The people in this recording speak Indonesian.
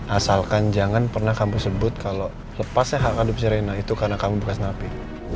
asalkan jangan pernah kamu sebut kalau lepasnya hak adopsi rena itu karena kamu bekas napi